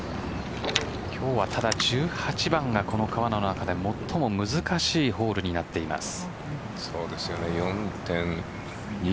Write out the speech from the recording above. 今日は１８番が川奈の中で最も難しいホールになっています。